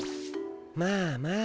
まあまあ。